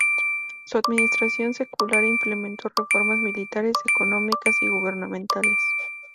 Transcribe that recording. Su administración secular implementó reformas militares, económicas y gubernamentales.